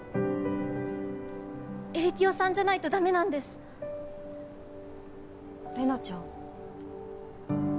えりぴよさんじゃないとダメなんです玲奈ちゃん